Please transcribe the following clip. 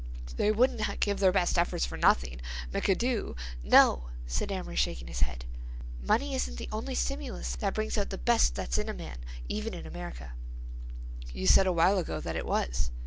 "They wouldn't give their best efforts for nothing. McAdoo—" "No," said Amory, shaking his head. "Money isn't the only stimulus that brings out the best that's in a man, even in America." "You said a while ago that it was."